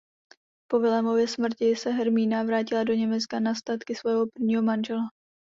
Po Vilémově smrti se Hermína vrátila do Německa na statky svého prvního manžela.